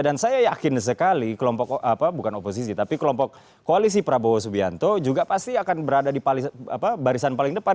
dan saya yakin sekali kelompok bukan oposisi tapi kelompok koalisi prabowo subianto juga pasti akan berada di barisan paling depan